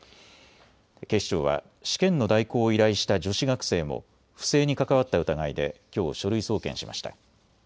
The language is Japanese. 警視庁は試験の代行を依頼した女子学生も不正に関わった疑いできょう書類送検しました。